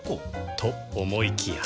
と思いきや